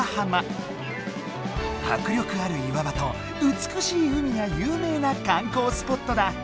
迫力ある岩場と美しい海が有名な観光スポットだ。